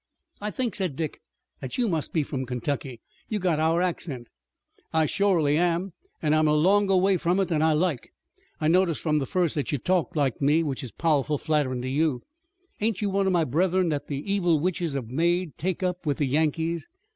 "I think," said Dick, "that you must be from Kentucky. You've got our accent." "I shorely am, an' I'm a longer way from it than I like. I noticed from the first that you talked like me, which is powerful flatterin' to you. Ain't you one of my brethren that the evil witches have made take up with the Yankees?"